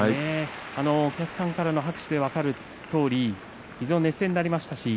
お客さんからの拍手で分かるとおり非常に熱戦になりました。